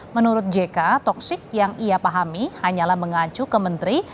menurut jk toksik yang ia pahami hanyalah mengacu ke menteri